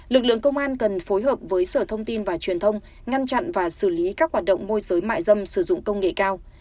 lực lượng công an cần phối hợp với sở thông tin và truyền thông ngăn chặn và xử lý các hoạt động môi giới mại dâm sử dụng công nghệ cao